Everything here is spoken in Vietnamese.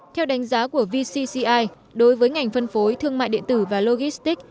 theo đánh giá của vcci đối với ngành phân phối thương mại điện tử và logistics